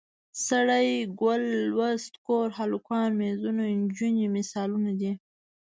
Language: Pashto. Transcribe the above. سړی، ګل، لوست، کور، هلکان، میزونه، نجونې مثالونه دي.